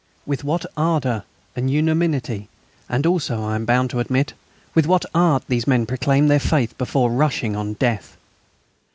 With what ardour and unanimity, and also, I am bound to admit, with what art, these men proclaimed their faith before rushing on death!